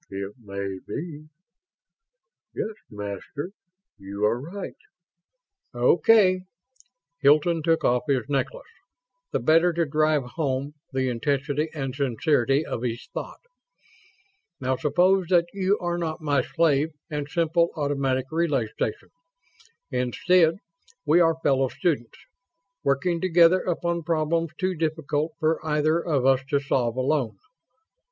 "It may be.... Yes, Master, you are right." "Okay." Hilton took off his necklace, the better to drive home the intensity and sincerity of his thought. "Now, suppose that you are not my slave and simple automatic relay station. Instead, we are fellow students, working together upon problems too difficult for either of us to solve alone.